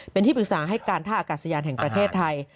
เป็นที่ปรึกษาให้การท่าอากาศยานแห่งประเทศไทย